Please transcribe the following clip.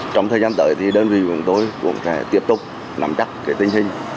trong thời gian tới thì đơn vị của tôi cũng sẽ tiếp tục nắm chắc tình hình